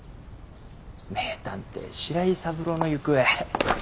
名探偵白井三郎の行方。